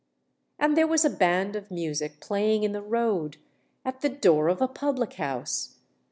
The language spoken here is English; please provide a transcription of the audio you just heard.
And there was a band of music playing in the road—at the door of a public house!